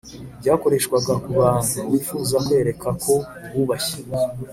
Byakoreshwaga ku bantu wifuza kwereka ko ububashye.